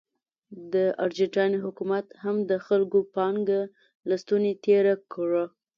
د ارجنټاین حکومت هم د خلکو پانګه له ستونې تېره کړه.